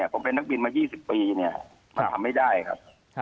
ผมเป็นนักบินมา๒๐ปีทำไม่ได้ครับ